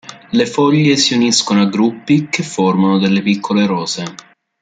Le foglie si uniscono a gruppi che formano delle piccole rose.